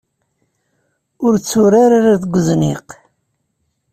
Ur tturar ara deg uzniq.